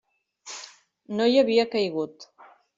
No hi havia caigut.